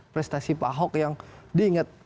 prestasi pak ahok yang diingat